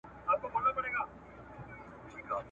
پر مزار مي زنګېدلی بیرغ غواړم ..